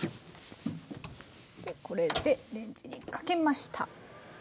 これでレンジにかけました。